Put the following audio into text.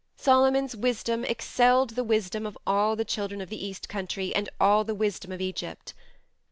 "Solomon's wisdom excelled the wisdom of all the children of the East country and all the wisdom of Egypt."